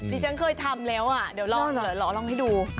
ฉันเคยทำแล้วอ่ะเดี๋ยวลองให้ดู